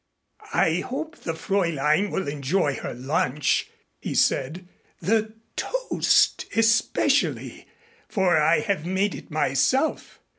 "I hope the Fräulein will enjoy her lunch," he said. "The toast especially, for I have made it myself.